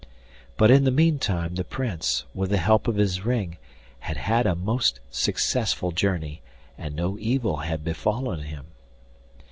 But in the meantime the Prince, with the help of his ring, had had a most successful journey, and no evil had befallen him.